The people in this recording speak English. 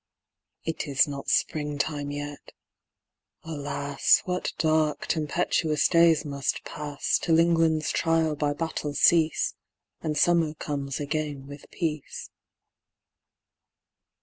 It is not springtime yet. Alas, What dark, tempestuous days must pass, Till England's trial by battle cease, And summer comes again with peace.